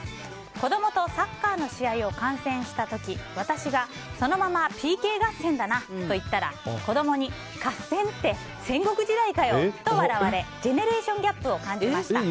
子供とサッカーの試合を観戦した時私がそのままＰＫ合戦だなと言ったら子供に合戦って戦国時代かよと笑われジェネレーションギャップを感じました。